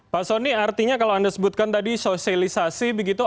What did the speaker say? pak soni artinya kalau anda sebutkan tadi sosialisasi begitu